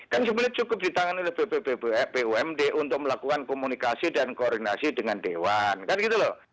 kan sebenarnya cukup ditangani oleh bumd untuk melakukan komunikasi dan koordinasi dengan dewan kan gitu loh